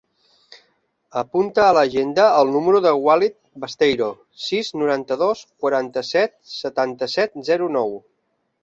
Apunta a l'agenda el número del Walid Besteiro: sis, noranta-dos, quaranta-set, setanta-set, zero, nou.